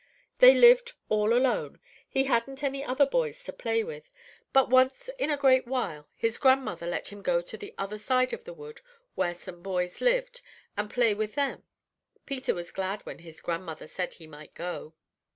"They lived all alone. He hadn't any other boys to play with, but once in a great while his grandmother let him go to the other side of the wood, where some boys lived, and play with them. Peter was glad when his grandmother said he might go.